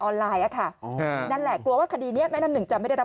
ไลน์อ่ะค่ะอ๋อนั่นแหละกลัวว่าคดีนี้แม่น้ำหนึ่งจะไม่ได้รับ